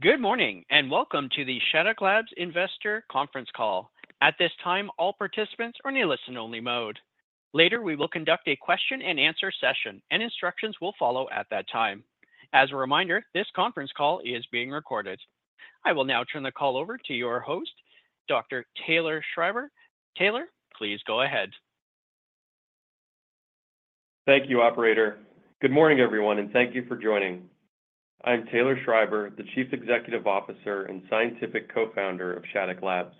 Good morning, and welcome to the Shattuck Labs Investor conference call. At this time, all participants are in a listen-only mode. Later, we will conduct a question-and-answer session, and instructions will follow at that time. As a reminder, this conference call is being recorded. I will now turn the call over to your host, Dr. Taylor Schreiber. Taylor, please go ahead. Thank you, operator. Good morning, everyone, and thank you for joining. I'm Taylor Schreiber, the Chief Executive Officer and Scientific Co-founder of Shattuck Labs.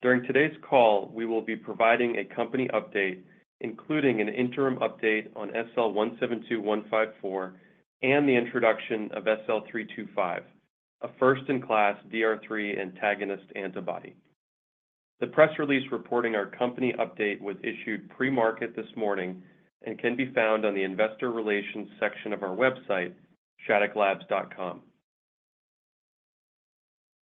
During today's call, we will be providing a company update, including an interim update on SL-172154, and the introduction of SL-325, a first-in-class DR3 antagonist antibody. The press release reporting our company update was issued pre-market this morning and can be found on the investor relations section of our website, shattucklabs.com.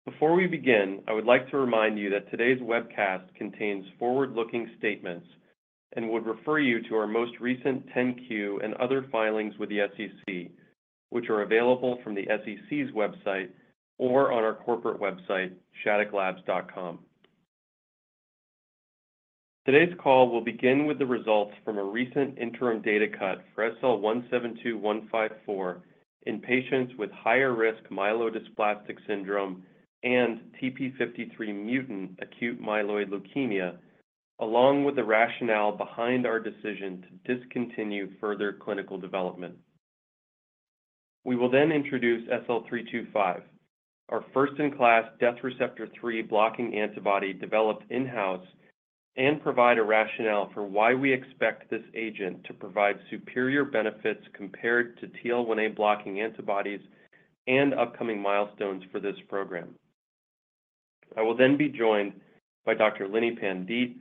Before we begin, I would like to remind you that today's webcast contains forward-looking statements and would refer you to our most recent 10-Q and other filings with the SEC, which are available from the SEC's website or on our corporate website, shattucklabs.com. Today's call will begin with the results from a recent interim data cut for SL-172154 in patients with higher-risk myelodysplastic syndrome and TP53 mutant acute myeloid leukemia, along with the rationale behind our decision to discontinue further clinical development. We will then introduce SL-325, our first-in-class death receptor three blocking antibody developed in-house, and provide a rationale for why we expect this agent to provide superior benefits compared to TL1A blocking antibodies and upcoming milestones for this program. I will then be joined by Dr. Lini Pandite,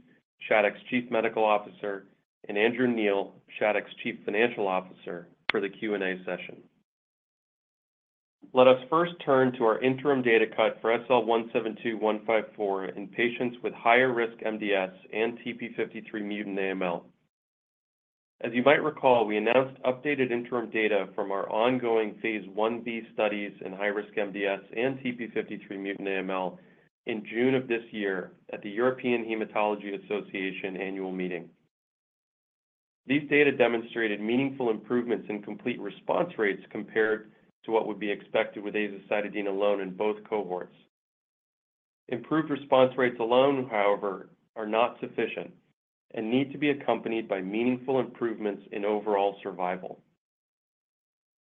Shattuck's Chief Medical Officer, and Andrew Neill, Shattuck's Chief Financial Officer, for the Q&A session. Let us first turn to our interim data cut for SL-172154 in patients with higher-risk MDS and TP53 mutant AML. As you might recall, we announced updated interim data from our ongoing phase Ib studies in high-risk MDS and TP53 mutant AML in June of this year at the European Hematology Association Annual Meeting. These data demonstrated meaningful improvements in complete response rates compared to what would be expected with azacitidine alone in both cohorts. Improved response rates alone, however, are not sufficient and need to be accompanied by meaningful improvements in overall survival.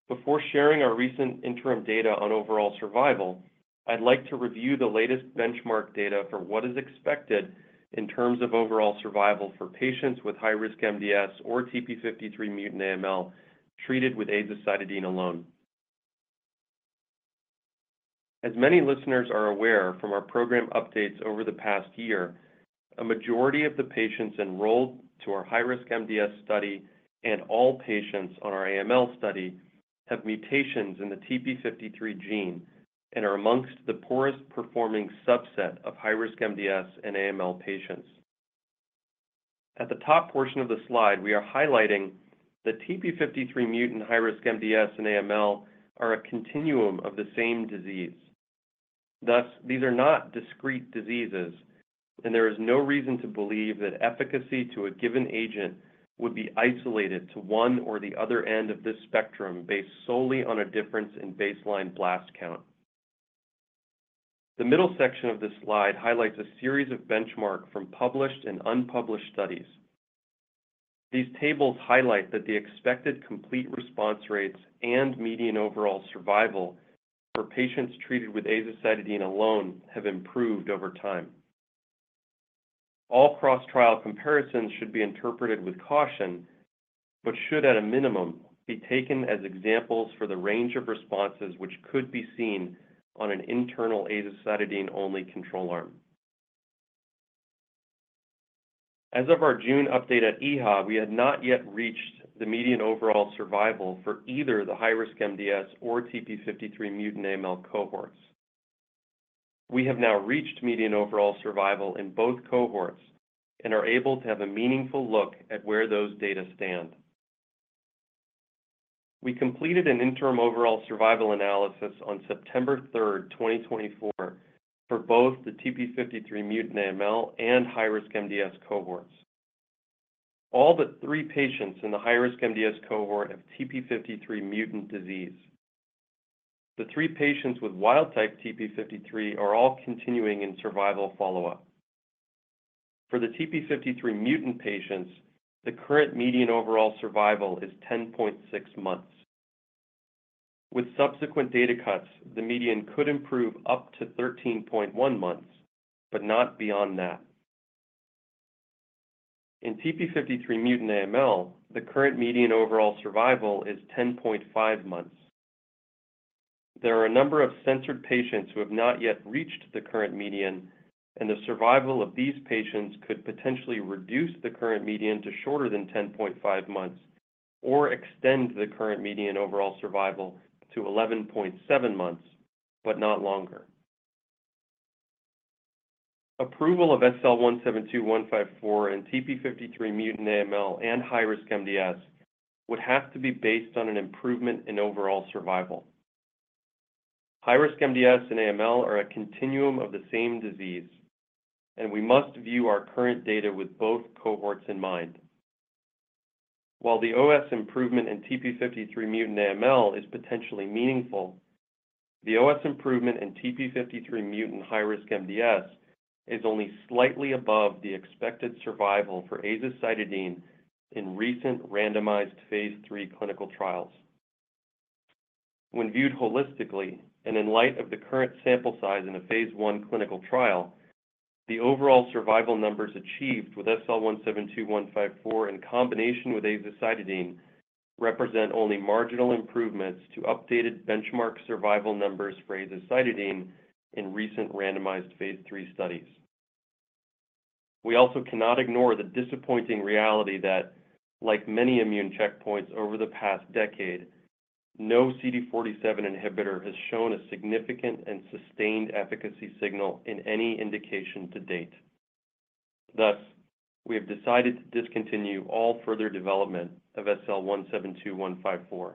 Before sharing our recent interim data on overall survival, I'd like to review the latest benchmark data for what is expected in terms of overall survival for patients with high-risk MDS or TP53 mutant AML treated with azacitidine alone. As many listeners are aware from our program updates over the past year, a majority of the patients enrolled to our high-risk MDS study and all patients on our AML study have mutations in the TP53 gene and are amongst the poorest-performing subset of high-risk MDS and AML patients. At the top portion of the slide, we are highlighting the TP53 mutant high-risk MDS and AML are a continuum of the same disease. Thus, these are not discrete diseases, and there is no reason to believe that efficacy to a given agent would be isolated to one or the other end of this spectrum based solely on a difference in baseline blast count. The middle section of this slide highlights a series of benchmarks from published and unpublished studies. These tables highlight that the expected complete response rates and median overall survival for patients treated with azacitidine alone have improved over time. All cross-trial comparisons should be interpreted with caution, but should, at a minimum, be taken as examples for the range of responses which could be seen on an internal azacitidine-only control arm. As of our June update at EHA, we had not yet reached the median overall survival for either the high-risk MDS or TP53 mutant AML cohorts. We have now reached median overall survival in both cohorts and are able to have a meaningful look at where those data stand. We completed an interim overall survival analysis on September 3rd, 2024, for both the TP53 mutant AML and high-risk MDS cohorts. All but three patients in the high-risk MDS cohort have TP53 mutant disease. The three patients with wild-type TP53 are all continuing in survival follow-up. For the TP53 mutant patients, the current median overall survival is 10.6 months. With subsequent data cuts, the median could improve up to 13.1 months, but not beyond that. In TP53 mutant AML, the current median overall survival is 10.5 months. There are a number of censored patients who have not yet reached the current median, and the survival of these patients could potentially reduce the current median to shorter than 10.5 months or extend the current median overall survival to 11.7 months, but not longer. Approval of SL-172154 in TP53 mutant AML and high-risk MDS would have to be based on an improvement in overall survival. High-risk MDS and AML are a continuum of the same disease, and we must view our current data with both cohorts in mind. While the OS improvement in TP53 mutant AML is potentially meaningful, the OS improvement in TP53 mutant high-risk MDS is only slightly above the expected survival for azacitidine in recent randomized phase III clinical trials. When viewed holistically, and in light of the current sample size in a phase I clinical trial, the overall survival numbers achieved with SL-172154 in combination with azacitidine represent only marginal improvements to updated benchmark survival numbers for azacitidine in recent randomized phase III studies. We also cannot ignore the disappointing reality that, like many immune checkpoints over the past decade, no CD47 inhibitor has shown a significant and sustained efficacy signal in any indication to date. Thus, we have decided to discontinue all further development of SL-172154.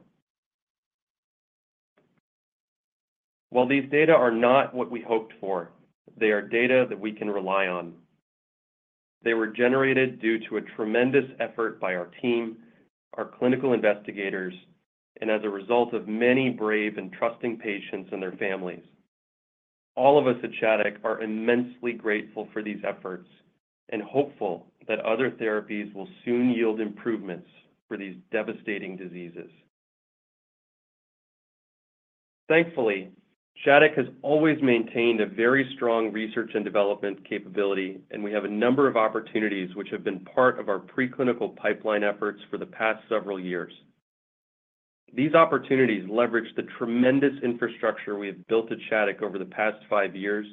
While these data are not what we hoped for, they are data that we can rely on. They were generated due to a tremendous effort by our team, our clinical investigators, and as a result of many brave and trusting patients and their families. All of us at Shattuck are immensely grateful for these efforts and hopeful that other therapies will soon yield improvements for these devastating diseases. Thankfully, Shattuck has always maintained a very strong research and development capability, and we have a number of opportunities which have been part of our preclinical pipeline efforts for the past several years. These opportunities leverage the tremendous infrastructure we have built at Shattuck over the past five years,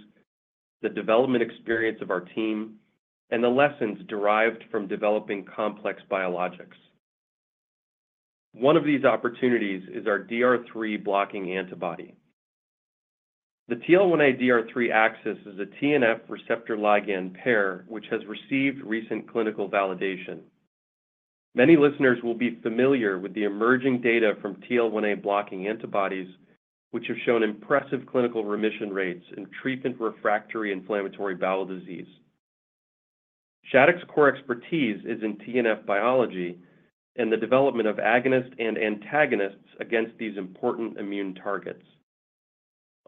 the development experience of our team, and the lessons derived from developing complex biologics. One of these opportunities is our DR3 blocking antibody. The TL1A/DR3 axis is a TNF receptor ligand pair, which has received recent clinical validation. Many listeners will be familiar with the emerging data from TL1A blocking antibodies, which have shown impressive clinical remission rates in treatment-refractory inflammatory bowel disease. Shattuck's core expertise is in TNF biology and the development of agonist and antagonists against these important immune targets.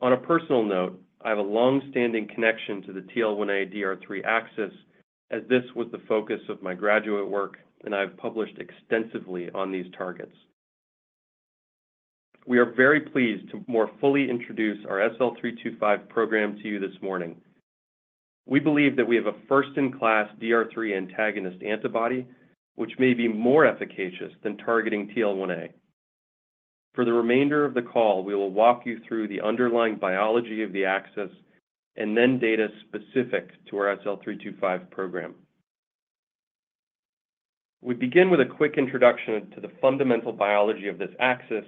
On a personal note, I have a long-standing connection to the TL1A/DR3 axis, as this was the focus of my graduate work, and I've published extensively on these targets. We are very pleased to more fully introduce our SL-325 program to you this morning. We believe that we have a first-in-class DR3 antagonist antibody, which may be more efficacious than targeting TL1A. For the remainder of the call, we will walk you through the underlying biology of the axis and then data specific to our SL-325 program. We begin with a quick introduction to the fundamental biology of this axis,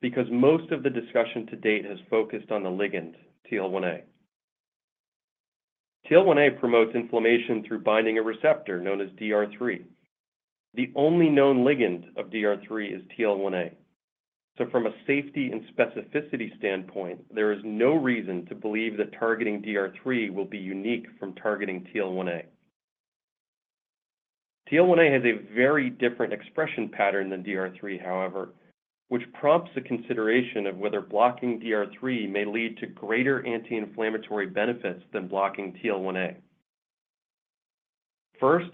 because most of the discussion to date has focused on the ligand, TL1A. TL1A promotes inflammation through binding a receptor known as DR3. The only known ligand of DR3 is TL1A, so from a safety and specificity standpoint, there is no reason to believe that targeting DR3 will be unique from targeting TL1A. TL1A has a very different expression pattern than DR3, however, which prompts the consideration of whether blocking DR3 may lead to greater anti-inflammatory benefits than blocking TL1A. First,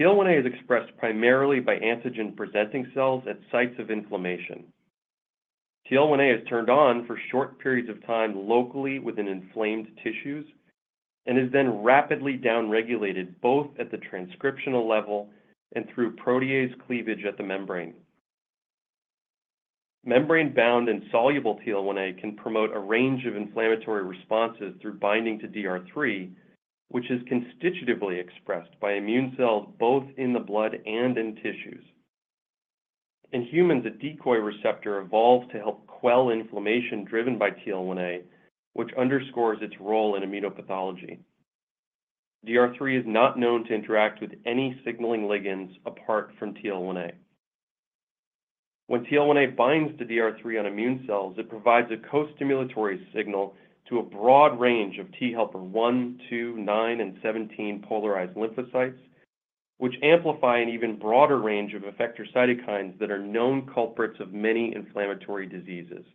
TL1A is expressed primarily by antigen-presenting cells at sites of inflammation. TL1A is turned on for short periods of time locally within inflamed tissues and is then rapidly downregulated, both at the transcriptional level and through protease cleavage at the membrane. Membrane-bound and soluble TL1A can promote a range of inflammatory responses through binding to DR3, which is constitutively expressed by immune cells, both in the blood and in tissues. In humans, a decoy receptor evolved to help quell inflammation driven by TL1A, which underscores its role in immunopathology. DR3 is not known to interact with any signaling ligands apart from TL1A. When TL1A binds to DR3 on immune cells, it provides a costimulatory signal to a broad range of T helper one, two, nine, and seventeen polarized lymphocytes, which amplify an even broader range of effector cytokines that are known culprits of many inflammatory diseases.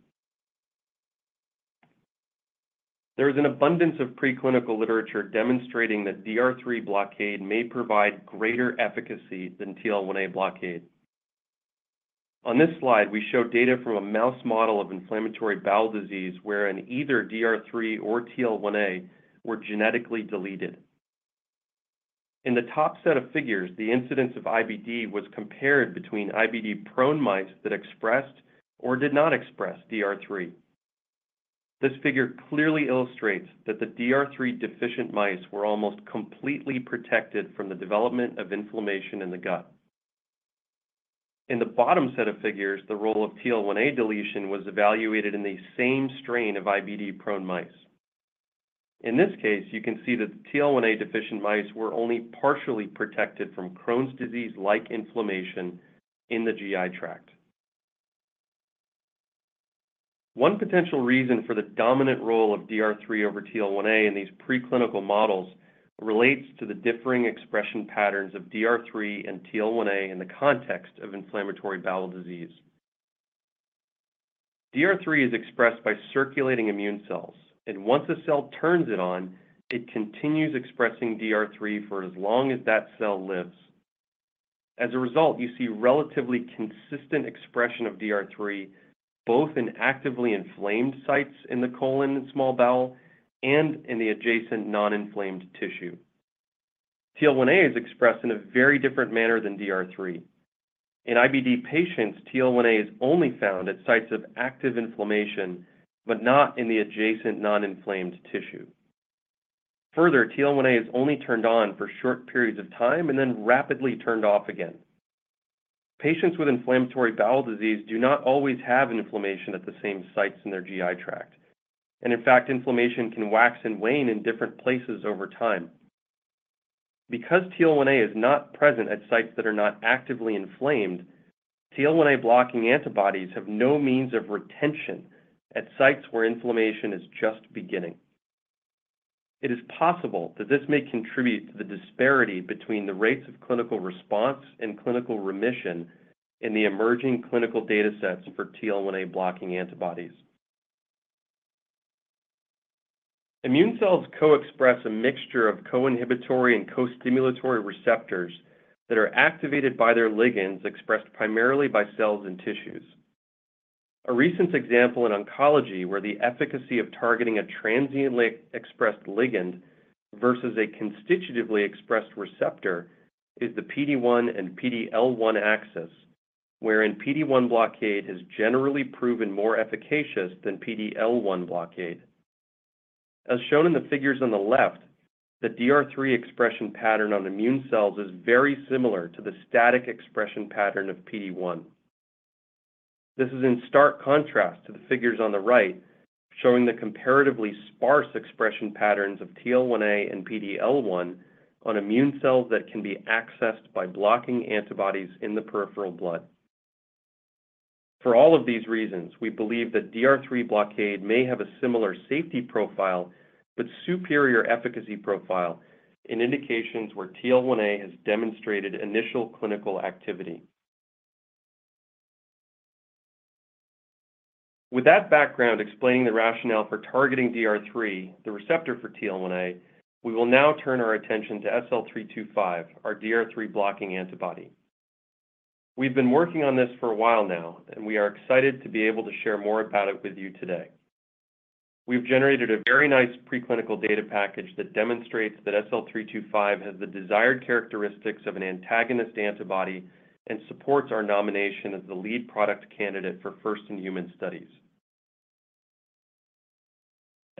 There is an abundance of preclinical literature demonstrating that DR3 blockade may provide greater efficacy than TL1A blockade. On this slide, we show data from a mouse model of inflammatory bowel disease wherein either DR3 or TL1A were genetically deleted. In the top set of figures, the incidence of IBD was compared between IBD-prone mice that expressed or did not express DR3. This figure clearly illustrates that the DR3-deficient mice were almost completely protected from the development of inflammation in the gut. In the bottom set of figures, the role of TL1A deletion was evaluated in the same strain of IBD-prone mice. In this case, you can see that the TL1A-deficient mice were only partially protected from Crohn's disease-like inflammation in the GI tract. One potential reason for the dominant role of DR3 over TL1A in these preclinical models relates to the differing expression patterns of DR3 and TL1A in the context of inflammatory bowel disease. DR3 is expressed by circulating immune cells, and once a cell turns it on, it continues expressing DR3 for as long as that cell lives. As a result, you see relatively consistent expression of DR3, both in actively inflamed sites in the colon and small bowel and in the adjacent non-inflamed tissue. TL1A is expressed in a very different manner than DR3. In IBD patients, TL1A is only found at sites of active inflammation, but not in the adjacent non-inflamed tissue. Further, TL1A is only turned on for short periods of time and then rapidly turned off again. Patients with inflammatory bowel disease do not always have inflammation at the same sites in their GI tract, and in fact, inflammation can wax and wane in different places over time. Because TL1A is not present at sites that are not actively inflamed, TL1A-blocking antibodies have no means of retention at sites where inflammation is just beginning. It is possible that this may contribute to the disparity between the rates of clinical response and clinical remission in the emerging clinical data sets for TL1A-blocking antibodies. Immune cells co-express a mixture of co-inhibitory and co-stimulatory receptors that are activated by their ligands, expressed primarily by cells and tissues. A recent example in oncology, where the efficacy of targeting a transiently expressed ligand versus a constitutively expressed receptor, is the PD-1 and PD-L1 axis, wherein PD-1 blockade has generally proven more efficacious than PD-L1 blockade. As shown in the figures on the left, the DR3 expression pattern on immune cells is very similar to the static expression pattern of PD-1. This is in stark contrast to the figures on the right, showing the comparatively sparse expression patterns of TL1A and PD-L1 on immune cells that can be accessed by blocking antibodies in the peripheral blood. For all of these reasons, we believe that DR3 blockade may have a similar safety profile, but superior efficacy profile in indications where TL1A has demonstrated initial clinical activity. With that background explaining the rationale for targeting DR3, the receptor for TL1A, we will now turn our attention to SL-325, our DR3-blocking antibody. We've been working on this for a while now, and we are excited to be able to share more about it with you today. We've generated a very nice preclinical data package that demonstrates that SL-325 has the desired characteristics of an antagonist antibody and supports our nomination as the lead product candidate for first-in-human studies.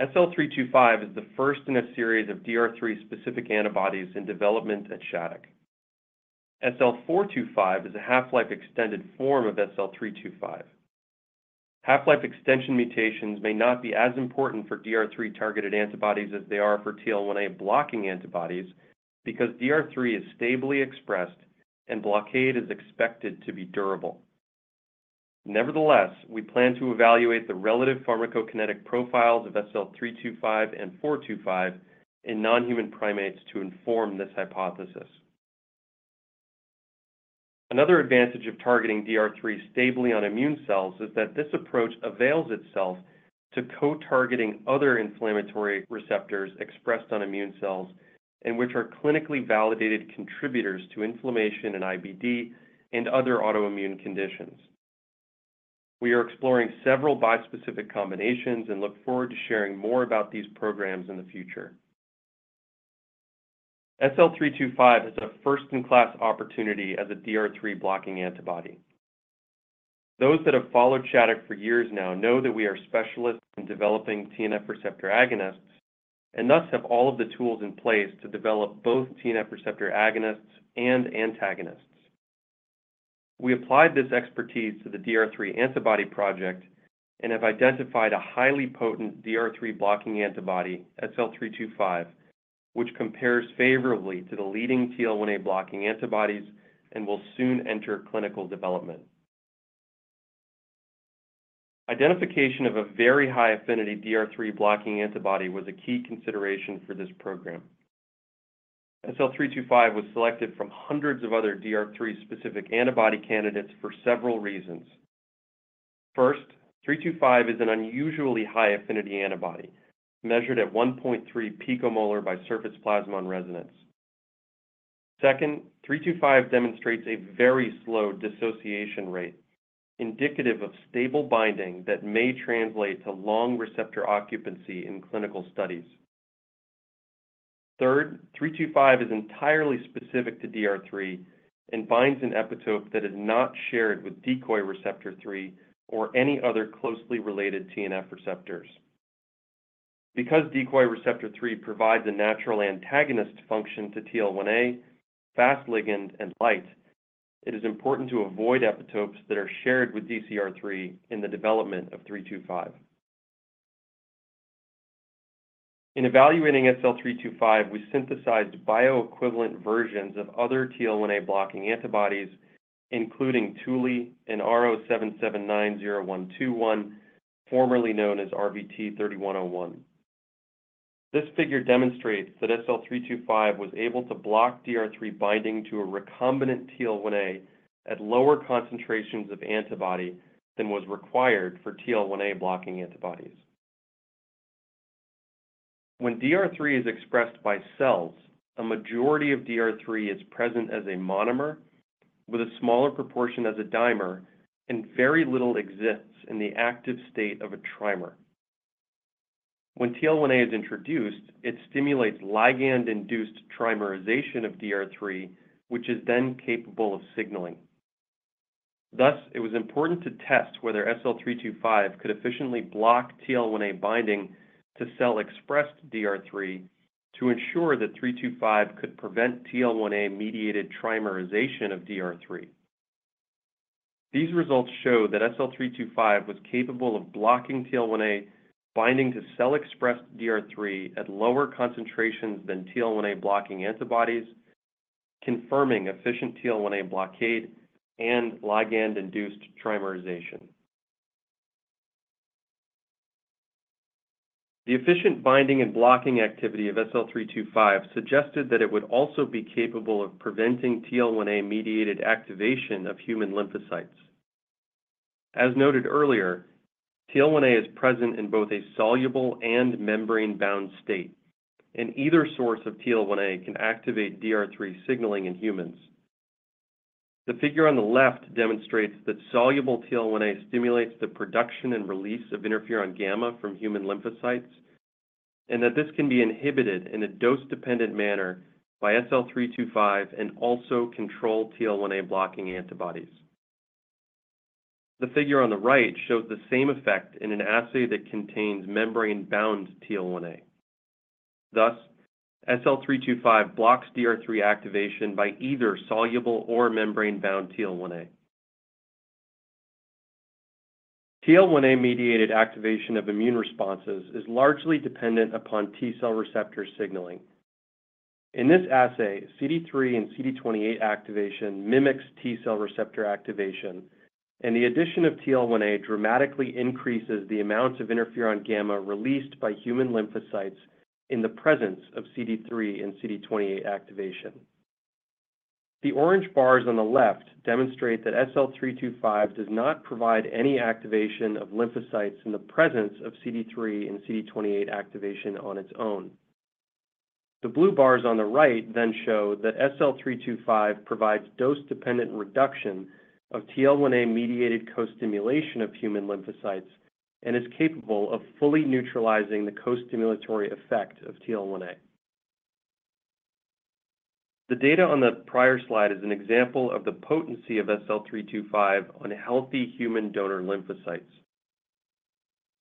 SL-325 is the first in a series of DR3-specific antibodies in development at Shattuck. SL-425 is a half-life extended form of SL-325. Half-life extension mutations may not be as important for DR3-targeted antibodies as they are for TL1A-blocking antibodies, because DR3 is stably expressed and blockade is expected to be durable. Nevertheless, we plan to evaluate the relative pharmacokinetic profiles of SL-325 and SL-425 in non-human primates to inform this hypothesis. Another advantage of targeting DR3 stably on immune cells is that this approach avails itself to co-targeting other inflammatory receptors expressed on immune cells and which are clinically validated contributors to inflammation in IBD and other autoimmune conditions. We are exploring several bispecific combinations and look forward to sharing more about these programs in the future. SL-325 is a first-in-class opportunity as a DR3-blocking antibody. Those that have followed Shattuck for years now know that we are specialists in developing TNF receptor agonists and thus have all of the tools in place to develop both TNF receptor agonists and antagonists. We applied this expertise to the DR3 antibody project and have identified a highly potent DR3-blocking antibody, SL-325, which compares favorably to the leading TL1A-blocking antibodies and will soon enter clinical development. Identification of a very high-affinity DR3-blocking antibody was a key consideration for this program. SL-325 was selected from hundreds of other DR3-specific antibody candidates for several reasons. First, SL-325 is an unusually high-affinity antibody, measured at 1.3 picomolar by surface plasmon resonance. Second, SL-325 demonstrates a very slow dissociation rate, indicative of stable binding that may translate to long receptor occupancy in clinical studies. Third, SL-325 is entirely specific to DR3 and binds an epitope that is not shared with decoy receptor 3 or any other closely related TNF receptors. Because decoy receptor 3 provides a natural antagonist function to TL1A, Fas ligand, and LIGHT, it is important to avoid epitopes that are shared with DcR3 in the development of SL-325. In evaluating SL-325, we synthesized bioequivalent versions of other TL1A-blocking antibodies, including tulisokibart and RO7790121, formerly known as RVT-3101. This figure demonstrates that SL-325 was able to block DR3 binding to a recombinant TL1A at lower concentrations of antibody than was required for TL1A-blocking antibodies. When DR3 is expressed by cells, a majority of DR3 is present as a monomer with a smaller proportion as a dimer, and very little exists in the active state of a trimer. When TL1A is introduced, it stimulates ligand-induced trimerization of DR3, which is then capable of signaling. Thus, it was important to test whether SL-325 could efficiently block TL1A binding to cell-expressed DR3 to ensure that 325 could prevent TL1A-mediated trimerization of DR3. These results show that SL-325 was capable of blocking TL1A binding to cell-expressed DR3 at lower concentrations than TL1A-blocking antibodies, confirming efficient TL1A blockade and ligand-induced trimerization. The efficient binding and blocking activity of SL-325 suggested that it would also be capable of preventing TL1A-mediated activation of human lymphocytes. As noted earlier, TL1A is present in both a soluble and membrane-bound state, and either source of TL1A can activate DR3 signaling in humans. The figure on the left demonstrates that soluble TL1A stimulates the production and release of interferon gamma from human lymphocytes, and that this can be inhibited in a dose-dependent manner by SL-325 and also control TL1A-blocking antibodies. The figure on the right shows the same effect in an assay that contains membrane-bound TL1A. Thus, SL-325 blocks DR3 activation by either soluble or membrane-bound TL1A. TL1A-mediated activation of immune responses is largely dependent upon T cell receptor signaling. In this assay, CD3 and CD28 activation mimics T cell receptor activation, and the addition of TL1A dramatically increases the amounts of interferon gamma released by human lymphocytes in the presence of CD3 and CD28 activation. The orange bars on the left demonstrate that SL-325 does not provide any activation of lymphocytes in the presence of CD3 and CD28 activation on its own. The blue bars on the right then show that SL-325 provides dose-dependent reduction of TL1A-mediated costimulation of human lymphocytes and is capable of fully neutralizing the costimulatory effect of TL1A. The data on the prior slide is an example of the potency of SL-325 on healthy human donor lymphocytes.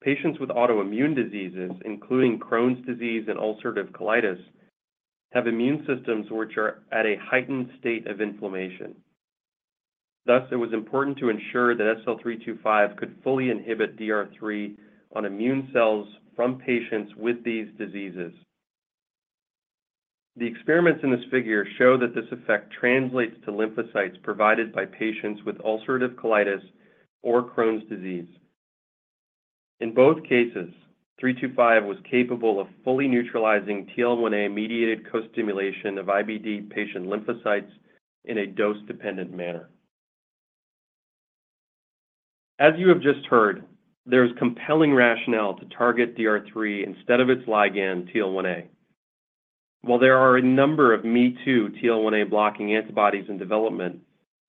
Patients with autoimmune diseases, including Crohn's disease and ulcerative colitis, have immune systems which are at a heightened state of inflammation. Thus, it was important to ensure that SL-325 could fully inhibit DR3 on immune cells from patients with these diseases. The experiments in this figure show that this effect translates to lymphocytes provided by patients with ulcerative colitis or Crohn's disease. In both cases, 325 was capable of fully neutralizing TL1A-mediated costimulation of IBD patient lymphocytes in a dose-dependent manner. As you have just heard, there is compelling rationale to target DR3 instead of its ligand, TL1A. While there are a number of me-too TL1A-blocking antibodies in development,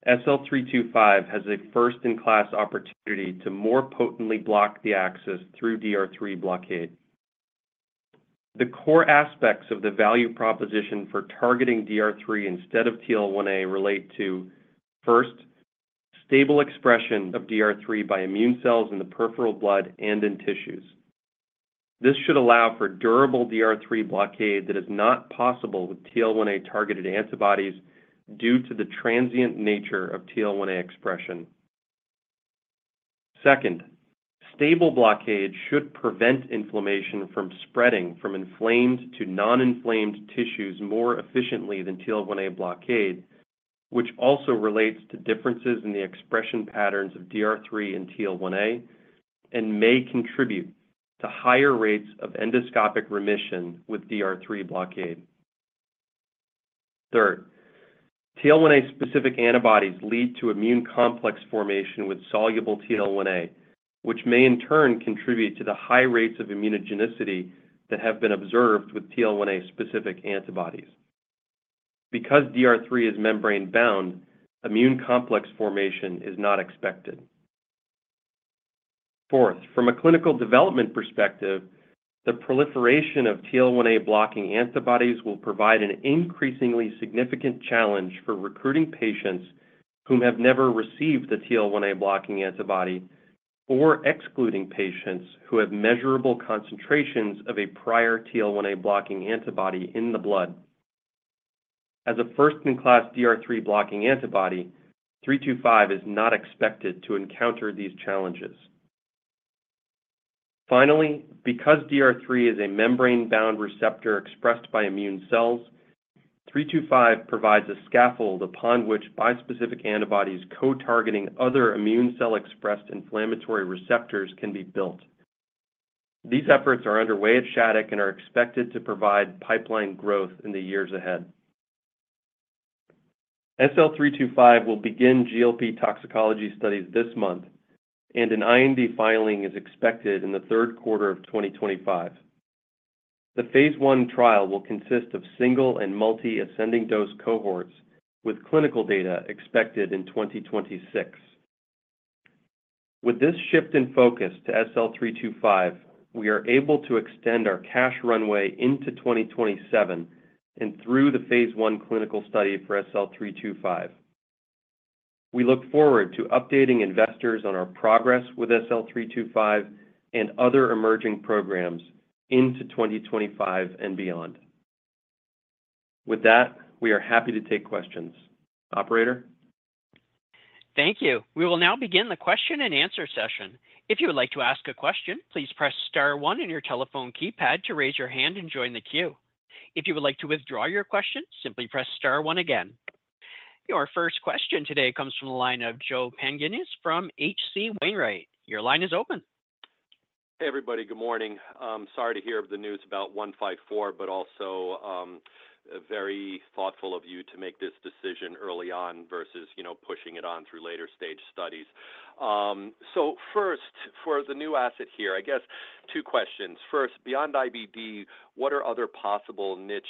SL-325 has a first-in-class opportunity to more potently block the axis through DR3 blockade. The core aspects of the value proposition for targeting DR3 instead of TL1A relate to, first, stable expression of DR3 by immune cells in the peripheral blood and in tissues. This should allow for durable DR3 blockade that is not possible with TL1A-targeted antibodies due to the transient nature of TL1A expression. Second, stable blockade should prevent inflammation from spreading from inflamed to non-inflamed tissues more efficiently than TL1A blockade, which also relates to differences in the expression patterns of DR3 and TL1A and may contribute to higher rates of endoscopic remission with DR3 blockade. Third, TL1A-specific antibodies lead to immune complex formation with soluble TL1A, which may in turn contribute to the high rates of immunogenicity that have been observed with TL1A-specific antibodies. Because DR3 is membrane-bound, immune complex formation is not expected. Fourth, from a clinical development perspective, the proliferation of TL1A-blocking antibodies will provide an increasingly significant challenge for recruiting patients whom have never received the TL1A blocking antibody, or excluding patients who have measurable concentrations of a prior TL1A blocking antibody in the blood. As a first-in-class DR3 blocking antibody, SL-325 is not expected to encounter these challenges. Finally, because DR3 is a membrane-bound receptor expressed by immune cells, SL-325 provides a scaffold upon which bispecific antibodies co-targeting other immune cell-expressed inflammatory receptors can be built. These efforts are underway at Shattuck and are expected to provide pipeline growth in the years ahead. SL-325 will begin GLP toxicology studies this month, and an IND filing is expected in the third quarter of twenty twenty-five. The phase I trial will consist of single and multiple ascending dose cohorts, with clinical data expected in 2026. With this shift in focus to SL-325, we are able to extend our cash runway into 2027 and through the phase I clinical study for SL-325. We look forward to updating investors on our progress with SL-325 and other emerging programs into 2025 and beyond. With that, we are happy to take questions. Operator? Thank you. We will now begin the question-and-answer session. If you would like to ask a question, please press star one on your telephone keypad to raise your hand and join the queue. If you would like to withdraw your question, simply press star one again. Your first question today comes from the line of Joe Pantginis from H.C. Wainwright. Your line is open. Hey, everybody. Good morning. Sorry to hear of the news about 154, but also very thoughtful of you to make this decision early on versus, you know, pushing it on through later-stage studies. So first, for the new asset here, I guess two questions. First, beyond IBD, what are other possible niche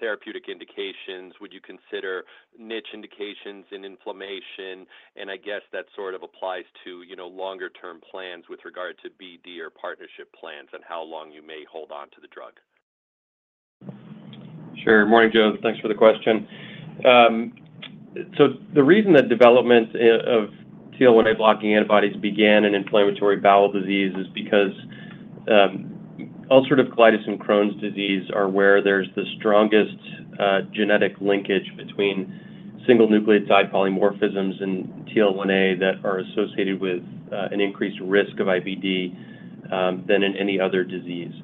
therapeutic indications? Would you consider niche indications in inflammation? And I guess that sort of applies to, you know, longer-term plans with regard to BD or partnership plans and how long you may hold on to the drug. Sure. Morning, Joe. Thanks for the question. So the reason that development of TL1A blocking antibodies began in inflammatory bowel disease is because ulcerative colitis and Crohn's disease are where there's the strongest genetic linkage between single nucleotide polymorphisms and TL1A that are associated with an increased risk of IBD than in any other disease.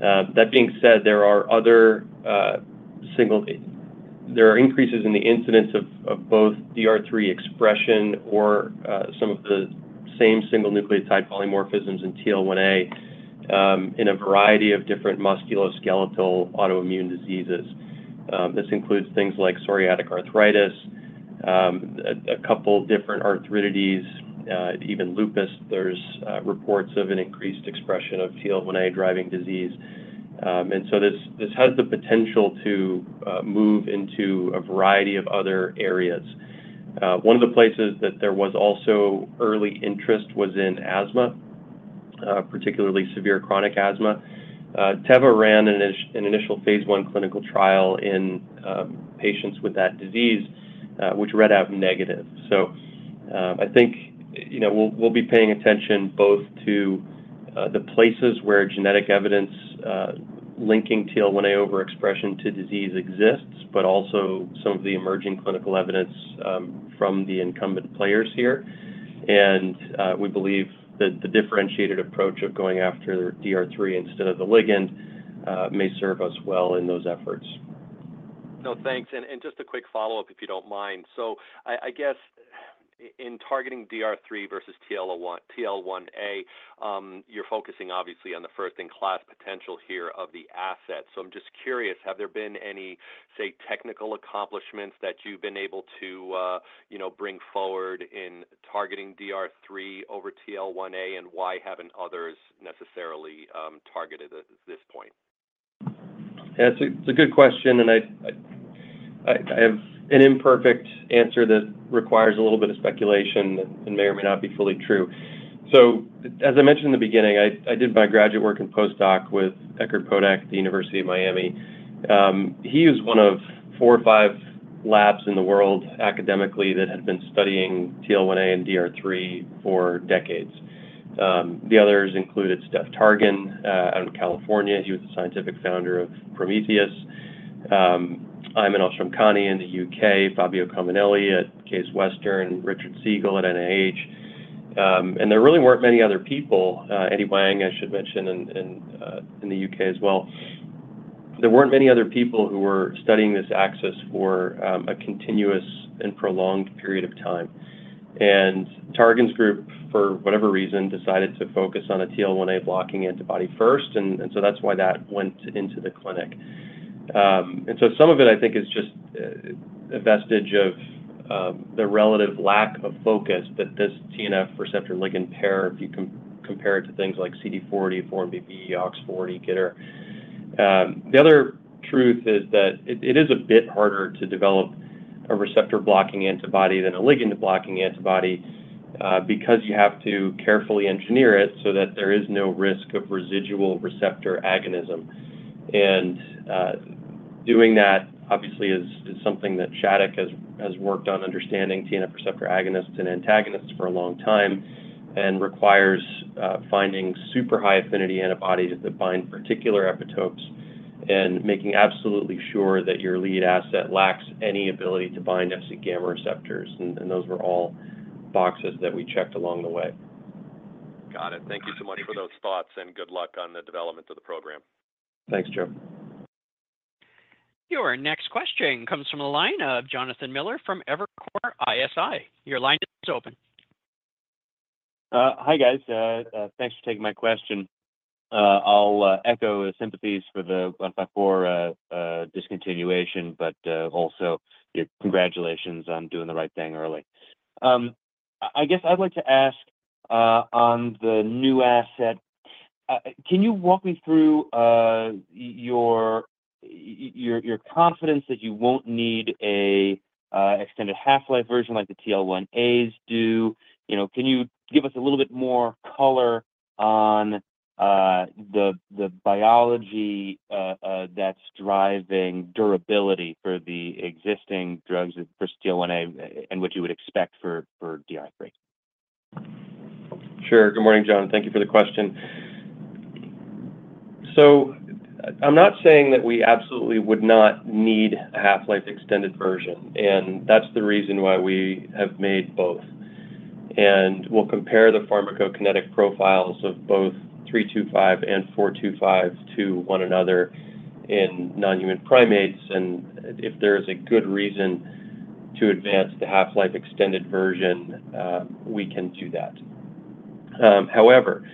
That being said, there are increases in the incidence of both DR3 expression or some of the same single nucleotide polymorphisms in TL1A in a variety of different musculoskeletal autoimmune diseases. This includes things like psoriatic arthritis, a couple of different arthritides, even lupus. There's reports of an increased expression of TL1A-driving disease. And so this has the potential to move into a variety of other areas. One of the places that there was also early interest was in asthma, particularly severe chronic asthma. Teva ran an initial phase I clinical trial in patients with that disease, which read out negative. So, I think, you know, we'll be paying attention both to the places where genetic evidence linking TL1A overexpression to disease exists, but also some of the emerging clinical evidence from the incumbent players here. We believe that the differentiated approach of going after DR3 instead of the ligand may serve us well in those efforts. No, thanks, and just a quick follow-up, if you don't mind. So I guess in targeting DR3 versus TL1A, you're focusing obviously on the first-in-class potential here of the asset. So I'm just curious, have there been any, say, technical accomplishments that you've been able to you know, bring forward in targeting DR3 over TL1A, and why haven't others necessarily targeted it at this point? Yeah, it's a good question, and I have an imperfect answer that requires a little bit of speculation that may or may not be fully true. So as I mentioned in the beginning, I did my graduate work in postdoc with Eckhard Podack at the University of Miami. He is one of four or five labs in the world academically that had been studying TL1A and DR3 for decades. The others included Steph Targan out in California. He was the scientific founder of Prometheus. Ayman Al-Shamkhani in the U.K., Fabio Cominelli at Case Western, Richard Siegel at NIH. And there really weren't many other people. Eddie Wang, I should mention, in the U.K. as well. There weren't many other people who were studying this axis for a continuous and prolonged period of time. Targan's group, for whatever reason, decided to focus on a TL1A blocking antibody first, and so that's why that went into the clinic. And so some of it, I think, is just a vestige of the relative lack of focus that this TNF receptor ligand pair, if you compare it to things like CD40, 4-1BB, OX40, GITR. The other truth is that it is a bit harder to develop a receptor-blocking antibody than a ligand-blocking antibody, because you have to carefully engineer it so that there is no risk of residual receptor agonism. Doing that obviously is something that Shattuck has worked on understanding TNF receptor agonists and antagonists for a long time, and requires finding super high-affinity antibodies that bind particular epitopes and making absolutely sure that your lead asset lacks any ability to bind Fc gamma receptors. Those were all boxes that we checked along the way. Got it. Thank you so much for those thoughts, and good luck on the development of the program. Thanks, Joe. Your next question comes from the line of Jonathan Miller from Evercore ISI. Your line is open. Hi, guys. Thanks for taking my question. I'll echo sympathies for the 154 discontinuation, but also your congratulations on doing the right thing early. I guess I'd like to ask, on the new asset, can you walk me through your confidence that you won't need a extended half-life version like the TL1As do? You know, can you give us a little bit more color on the biology that's driving durability for the existing drugs for TL1A and what you would expect for DR3? Sure. Good morning, Jon. Thank you for the question. So I'm not saying that we absolutely would not need a half-life extended version, and that's the reason why we have made both. And we'll compare the pharmacokinetic profiles of both 325 and 425 to one another in non-human primates, and if there is a good reason to advance the half-life extended version, we can do that. However,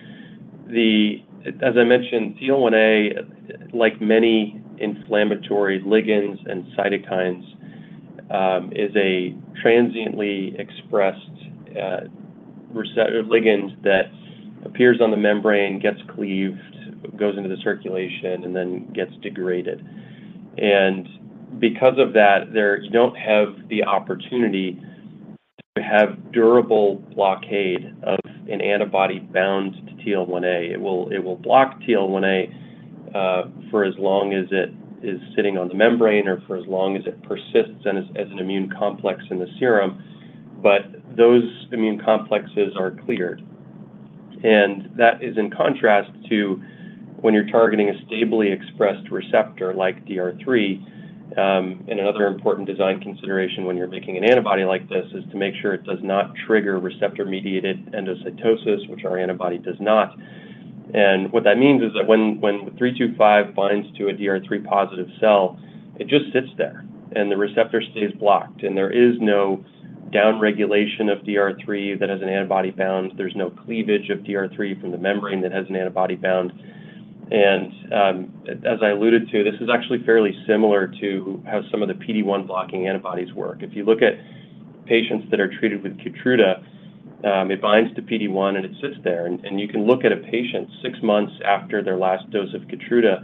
as I mentioned, TL1A, like many inflammatory ligands and cytokines, is a transiently expressed, receptor ligand that appears on the membrane, gets cleaved, goes into the circulation, and then gets degraded. And because of that, you don't have the opportunity to have durable blockade of an antibody bound to TL1A. It will, it will block TL1A for as long as it is sitting on the membrane or for as long as it persists and as an immune complex in the serum. But those immune complexes are cleared, and that is in contrast to when you're targeting a stably expressed receptor like DR3. And another important design consideration when you're making an antibody like this is to make sure it does not trigger receptor-mediated endocytosis, which our antibody does not. And what that means is that when 325 binds to a DR3-positive cell, it just sits there, and the receptor stays blocked. And there is no downregulation of DR3 that has an antibody bound. There's no cleavage of DR3 from the membrane that has an antibody bound. As I alluded to, this is actually fairly similar to how some of the PD-1 blocking antibodies work. If you look at patients that are treated with Keytruda, it binds to PD-1, and it sits there. You can look at a patient six months after their last dose of Keytruda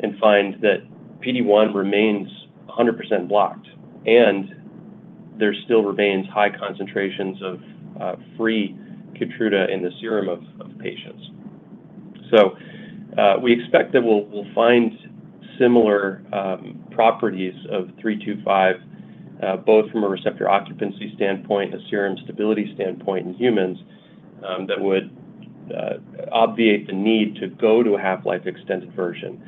and find that PD-1 remains 100% blocked, and there still remains high concentrations of free Keytruda in the serum of patients. We expect that we'll find similar properties of 325, both from a receptor occupancy standpoint, a serum stability standpoint in humans, that would obviate the need to go to a half-life extended version.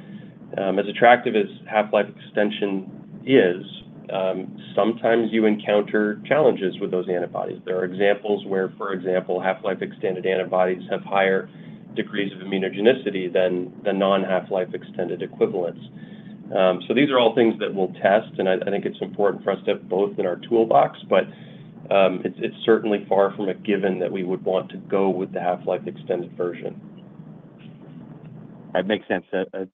As attractive as half-life extension is, sometimes you encounter challenges with those antibodies. There are examples where, for example, half-life extended antibodies have higher degrees of immunogenicity than the non-half-life extended equivalents. So these are all things that we'll test, and I think it's important for us to have both in our toolbox, but it's certainly far from a given that we would want to go with the half-life extended version. That makes sense.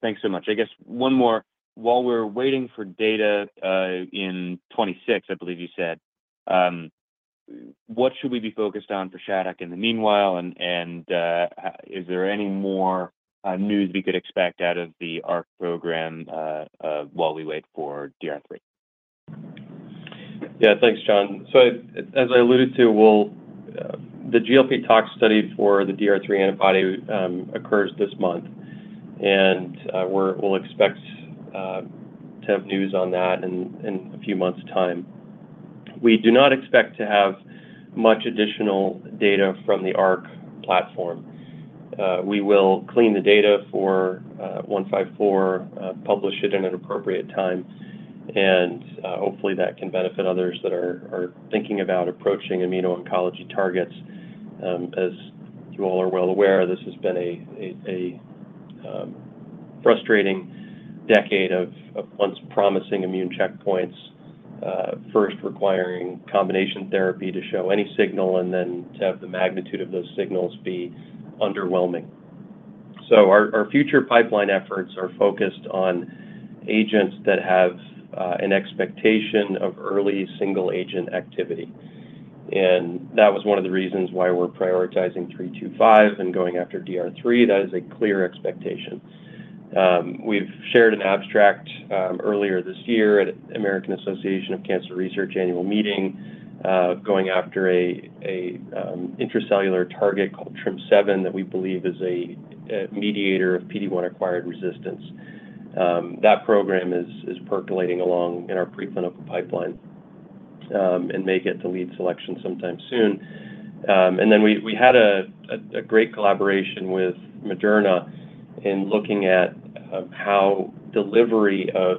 Thanks so much. I guess one more. While we're waiting for data in 2026, I believe you said, what should we be focused on for Shattuck in the meanwhile, and is there any more news we could expect out of the ARC program while we wait for DR3? Yeah, thanks, Jon. So as I alluded to, the GLP tox study for the DR3 antibody occurs this month, and we'll expect to have news on that in a few months' time. We do not expect to have much additional data from the ARC platform. We will clean the data for 154, publish it in an appropriate time, and hopefully that can benefit others that are thinking about approaching immuno-oncology targets. As you all are well aware, this has been a frustrating decade of once-promising immune checkpoints, first requiring combination therapy to show any signal and then to have the magnitude of those signals be underwhelming. So our future pipeline efforts are focused on agents that have an expectation of early single-agent activity, and that was one of the reasons why we're prioritizing 325 and going after DR3. That is a clear expectation. We've shared an abstract earlier this year at American Association for Cancer Research annual meeting, going after an intracellular target called TRIM7 that we believe is a mediator of PD-1-acquired resistance. That program is percolating along in our preclinical pipeline and make it to lead selection sometime soon. And then we had a great collaboration with Moderna in looking at how delivery of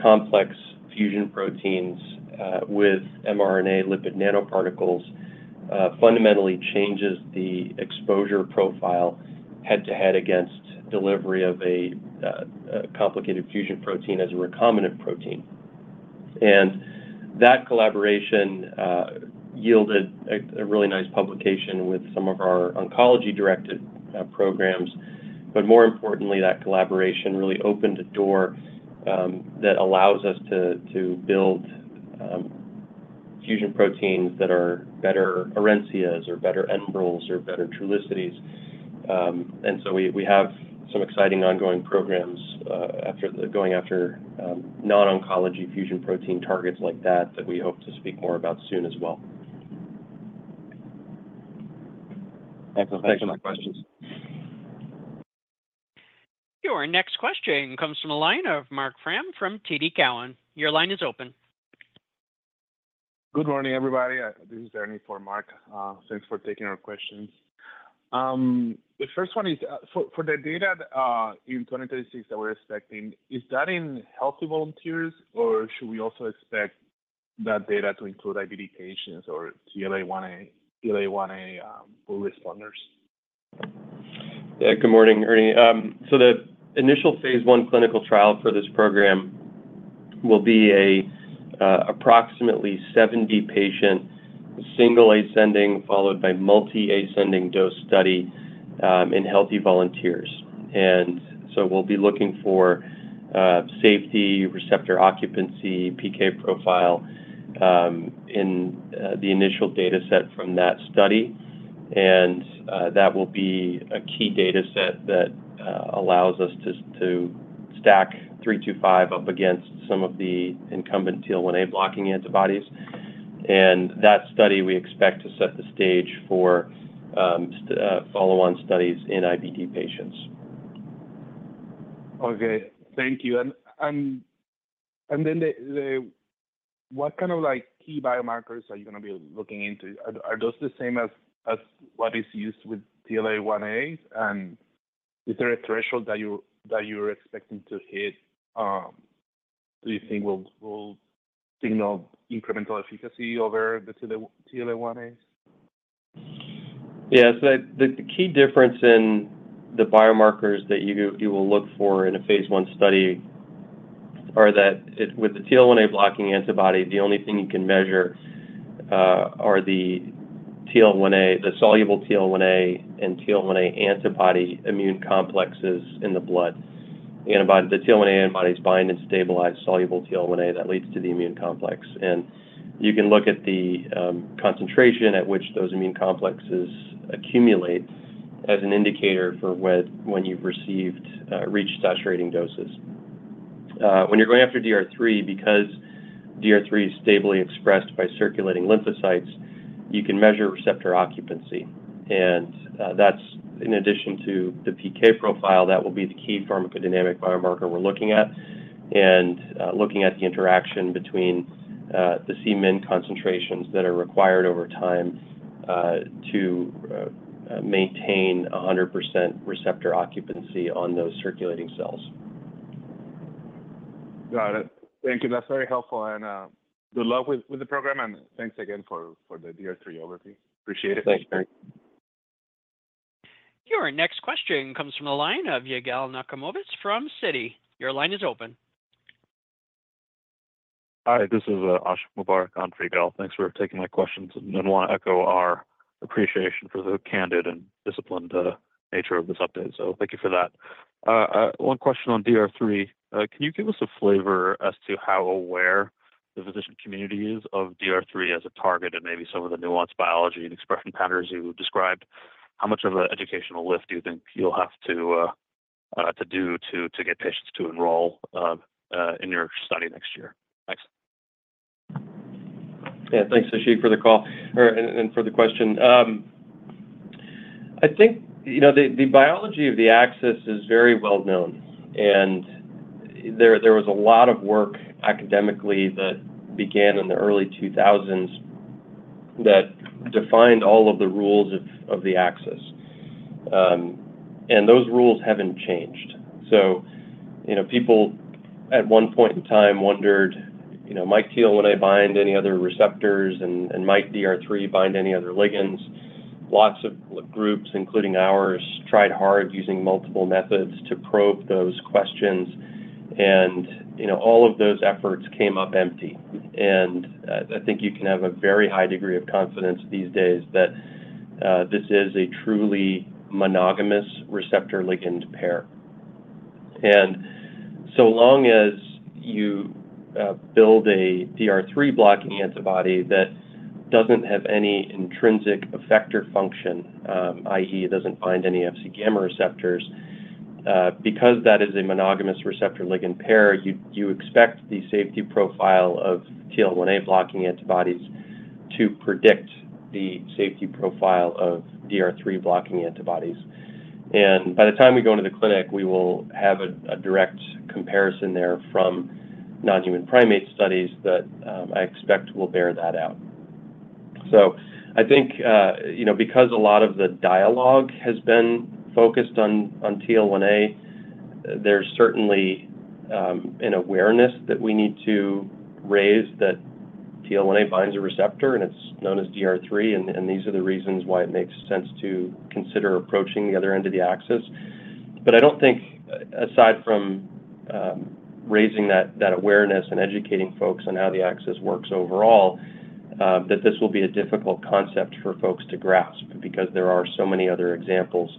complex fusion proteins with mRNA lipid nanoparticles fundamentally changes the exposure profile head-to-head against delivery of a complicated fusion protein as a recombinant protein. And that collaboration yielded a really nice publication with some of our oncology-directed programs. But more importantly, that collaboration really opened a door that allows us to build fusion proteins that are better Orencias or better Enbrels or better Trulicities. And so we have some exciting ongoing programs going after non-oncology fusion protein targets like that that we hope to speak more about soon as well. Thanks for the questions. Your next question comes from the line of Marc Frahm from TD Cowen. Your line is open. Good morning, everybody. This is Ernie for Mark. Thanks for taking our questions. The first one is for the data in 2036 that we're expecting. Is that in healthy volunteers, or should we also expect that data to include IBD patients or TL1A responders? Yeah. Good morning, Ernie. So the initial phase I clinical trial for this program will be a approximately 70-patient, single-ascending, followed by multi-ascending dose study in healthy volunteers. And so we'll be looking for safety, receptor occupancy, PK profile in the initial dataset from that study. And that will be a key dataset that allows us to stack SL-325 up against some of the incumbent TL1A blocking antibodies. And that study, we expect to set the stage for follow-on studies in IBD patients. Okay. Thank you. And then what kind of, like, key biomarkers are you gonna be looking into? Are those the same as what is used with TL1A's? And is there a threshold that you're expecting to hit, do you think will signal incremental efficacy over the TL1A's? Yeah. So the key difference in the biomarkers that you will look for in a phase I study are that it with the TL1A-blocking antibody, the only thing you can measure are the TL1A, the soluble TL1A and TL1A antibody immune complexes in the blood. The TL1A antibodies bind and stabilize soluble TL1A that leads to the immune complex. And you can look at the concentration at which those immune complexes accumulate as an indicator for when you've reached saturating doses. When you're going after DR3, because DR3 is stably expressed by circulating lymphocytes, you can measure receptor occupancy. And that's in addition to the PK profile, that will be the key pharmacodynamic biomarker we're looking at. Looking at the interaction between the C min concentrations that are required over time to maintain 100% receptor occupancy on those circulating cells. Got it. Thank you. That's very helpful, and good luck with the program, and thanks again for the DR3 overview. Appreciate it. Thanks, Ernie. Your next question comes from the line of Yigal Nochomovitz from Citi. Your line is open. Hi, this is Ashiq Mubarack on for Yigal. Thanks for taking my questions, and I want to echo our appreciation for the candid and disciplined nature of this update, so thank you for that. One question on DR3. Can you give us a flavor as to how aware the physician community is of DR3 as a target and maybe some of the nuanced biology and expression patterns you described? How much of an educational lift do you think you'll have to do to get patients to enroll in your study next year? Thanks. Yeah, thanks, Ash, for the call and for the question. I think, you know, the biology of the axis is very well known, and there was a lot of work academically that began in the early 2000s that defined all of the rules of the axis. And those rules haven't changed. So, you know, people at one point in time wondered, you know, "Might TL1A bind any other receptors, and might DR3 bind any other ligands?" Lots of groups, including ours, tried hard using multiple methods to probe those questions, and, you know, all of those efforts came up empty. And I think you can have a very high degree of confidence these days that this is a truly monogamous receptor-ligand pair. And so long as you build a DR3 blocking antibody that doesn't have any intrinsic effector function, i.e., it doesn't find any Fc gamma receptors, because that is a monogamous receptor-ligand pair, you expect the safety profile of TL1A blocking antibodies to predict the safety profile of DR3-blocking antibodies. By the time we go into the clinic, we will have a direct comparison there from non-human primate studies that I expect will bear that out. I think, you know, because a lot of the dialogue has been focused on TL1A, there's certainly an awareness that we need to raise that TL1A binds a receptor, and it's known as DR3, and these are the reasons why it makes sense to consider approaching the other end of the axis. But I don't think, aside from raising that awareness and educating folks on how the axis works overall, that this will be a difficult concept for folks to grasp because there are so many other examples.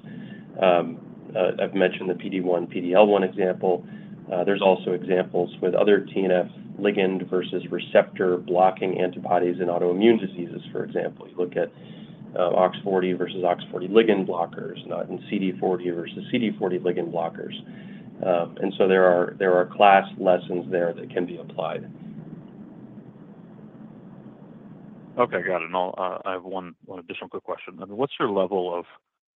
I've mentioned the PD-1, PD-L1 example. There's also examples with other TNF ligand versus receptor-blocking antibodies in autoimmune diseases, for example. You look at OX40 versus OX40 ligand blockers, and CD40 versus CD40 ligand blockers. And so there are class lessons there that can be applied. Okay, got it. And I'll, I have one additional quick question. And what's your level of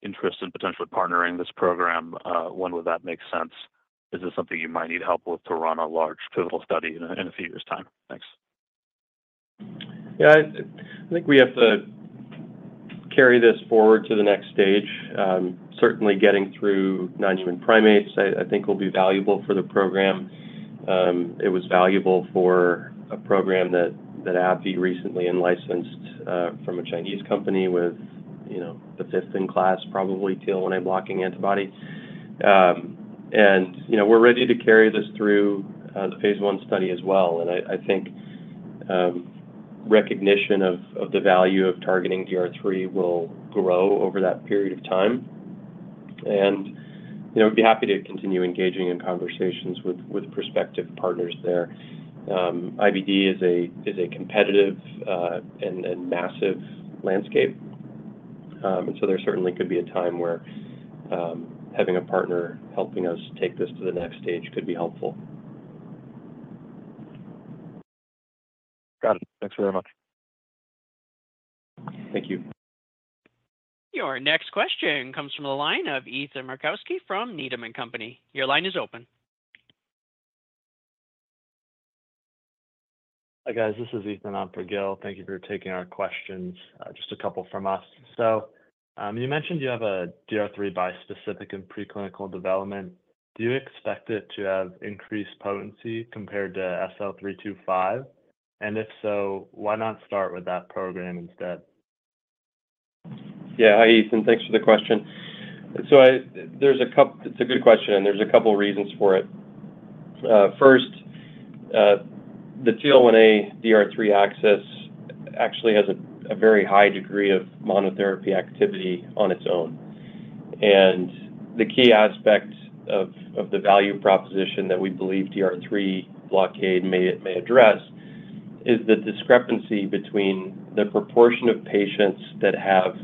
interest in potentially partnering this program? When would that make sense? Is this something you might need help with to run a large pivotal study in a few years' time? Thanks. Yeah, I think we have to carry this forward to the next stage. Certainly getting through non-human primates, I think will be valuable for the program. It was valuable for a program that AbbVie recently in-licensed from a Chinese company with, you know, the fifth in class, probably TL1A blocking antibody. And, you know, we're ready to carry this through the phase I study as well, and I think recognition of the value of targeting DR3 will grow over that period of time. And, you know, we'd be happy to continue engaging in conversations with prospective partners there. IBD is a competitive and massive landscape, and so there certainly could be a time where having a partner helping us take this to the next stage could be helpful. Got it. Thanks very much. Thank you. Your next question comes from the line of Ethan Markowski from Needham & Company. Your line is open. Hi, guys. This is Ethan on for Gil. Thank you for taking our questions. Just a couple from us. So, you mentioned you have a DR3 bispecific in preclinical development. Do you expect it to have increased potency compared to SL-325? And if so, why not start with that program instead? Yeah. Hi, Ethan. Thanks for the question. So there's a couple reasons for it. First, the TL1A DR3 axis actually has a very high degree of monotherapy activity on its own. And the key aspect of the value proposition that we believe DR3 blockade may address is the discrepancy between the proportion of patients that have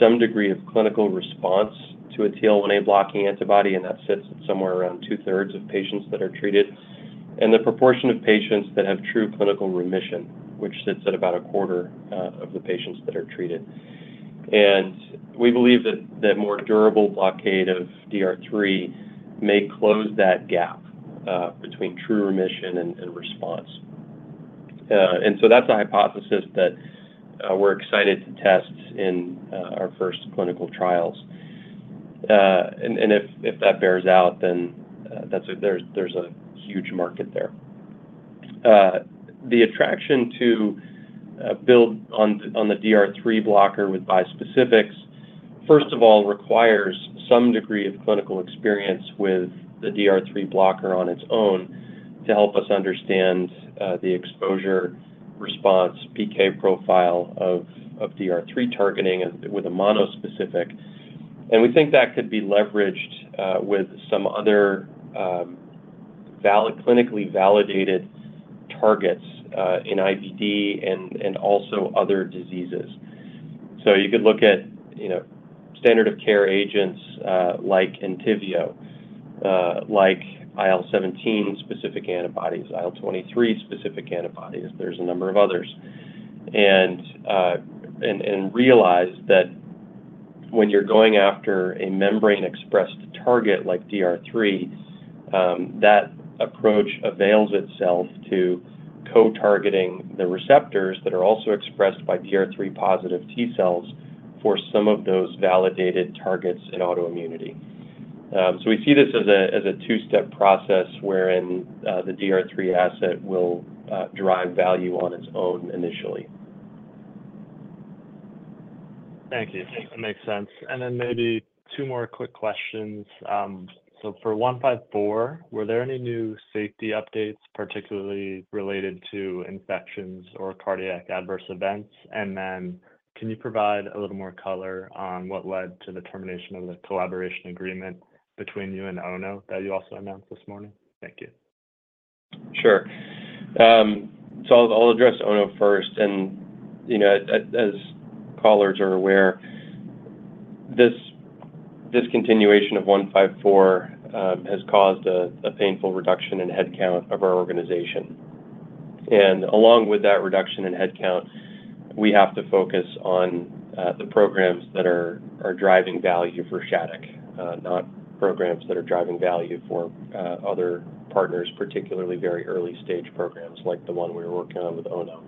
some degree of clinical response to a TL1A blocking antibody, and that sits somewhere around two-thirds of patients that are treated, and the proportion of patients that have true clinical remission, which sits at about a quarter of the patients that are treated. And we believe that more durable blockade of DR3 may close that gap between true remission and response. And so that's a hypothesis that we're excited to test in our first clinical trials. And if that bears out, then there's a huge market there. The attraction to build on the DR3 blocker with bispecifics, first of all, requires some degree of clinical experience with the DR3 blocker on its own to help us understand the exposure-response PK profile of DR3 targeting with a monospecific. And we think that could be leveraged with some other valid, clinically validated targets in IBD and also other diseases. So you could look at, you know, standard of care agents like Entyvio like IL-17-specific antibodies, IL-23-specific antibodies. There's a number of others. Realize that when you're going after a membrane-expressed target like DR3, that approach avails itself to co-targeting the receptors that are also expressed by DR3-positive T-cells for some of those validated targets in autoimmunity. So we see this as a two-step process wherein the DR3 asset will derive value on its own initially. Thank you. That makes sense. And then maybe two more quick questions. So, for 154, were there any new safety updates, particularly related to infections or cardiac adverse events? And then can you provide a little more color on what led to the termination of the collaboration agreement between you and Ono that you also announced this morning? Thank you. Sure. I'll address Ono first. You know, as callers are aware, this discontinuation of 154 has caused a painful reduction in headcount of our organization. Along with that reduction in headcount, we have to focus on the programs that are driving value for Shattuck, not programs that are driving value for other partners, particularly very early stage programs like the one we were working on with Ono.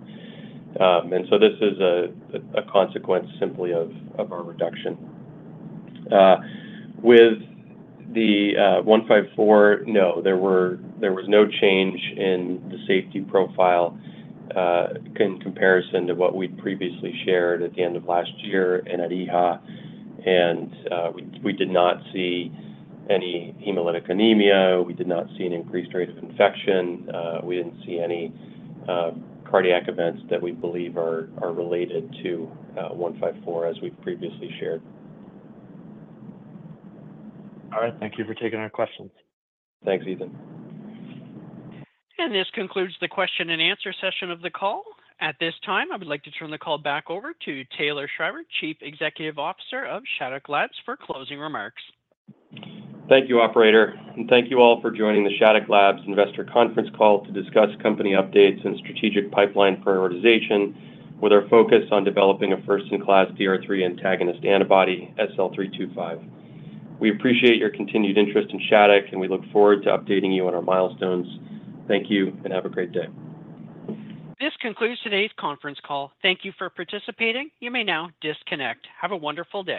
This is a consequence simply of our reduction. With the 154, no, there was no change in the safety profile in comparison to what we'd previously shared at the end of last year and at EHA. We did not see any hemolytic anemia. We did not see an increased rate of infection. We didn't see any cardiac events that we believe are related to 154, as we've previously shared. All right. Thank you for taking our questions. Thanks, Ethan. This concludes the question and answer session of the call. At this time, I would like to turn the call back over to Taylor Schreiber, Chief Executive Officer of Shattuck Labs, for closing remarks. Thank you, operator, and thank you all for joining the Shattuck Labs investor conference call to discuss company updates and strategic pipeline prioritization, with our focus on developing a first-in-class DR3 antagonist antibody, SL-325. We appreciate your continued interest in Shattuck, and we look forward to updating you on our milestones. Thank you, and have a great day. This concludes today's conference call. Thank you for participating. You may now disconnect. Have a wonderful day.